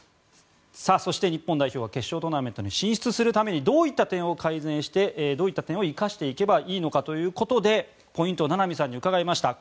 日本代表は決勝トーナメントに進出するためにどういった点を改善してどういった点を生かしていけばいいのかということでポイントを名波さんに伺いました。